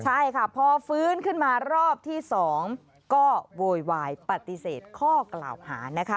ใช่ค่ะพอฟื้นขึ้นมารอบที่๒ก็โวยวายปฏิเสธข้อกล่าวหานะคะ